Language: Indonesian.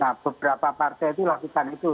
nah beberapa partai itu lakukan itu